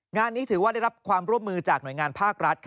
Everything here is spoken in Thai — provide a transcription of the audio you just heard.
งานนี้ถือว่าได้รับความร่วมมือจากหน่วยงานภาครัฐ